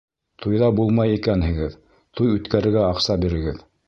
Туйҙа булмай икәнһегеҙ, туй үткәрергә аҡса бирегеҙ!